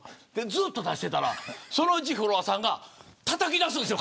ずっと出してたら、そのうちフロアさんがたたき出すんです。